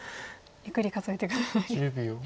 ゆっくり数えて下さい。